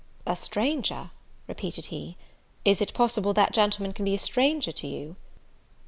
"A stranger?" repeated he; "is it possible that gentleman can be a stranger to you?"